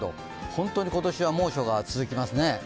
ホントに今年は猛暑が続きますね。